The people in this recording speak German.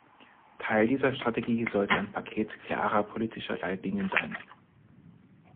Teil dieser Strategie sollte ein Paket klarer politischer Leitlinien sein.